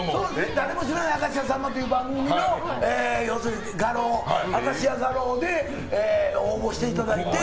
「誰も知らない明石家さんま」という番組の明石家画廊で応募していただいて。